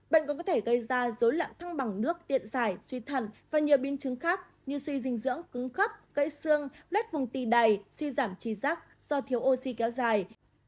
bệnh cũng có thể gây ra dối lạng thăng bằng nước tiện giải suy thần và nhiều biên chứng khác như suy dinh dưỡng cứng khắp gây xương lết vùng tì đầy suy giảm trí giác do thiếu oxy kéo dài